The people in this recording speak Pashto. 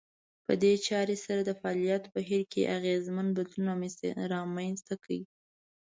په دې چارې سره د فعاليت بهير کې اغېزمن بدلون رامنځته کړي.